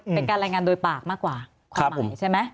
เป็นการรายงานโดยปากมากกว่าความหมายใช่ไหม